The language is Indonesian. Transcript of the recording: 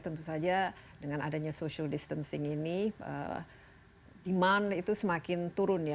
tentu saja dengan adanya social distancing ini demand itu semakin turun ya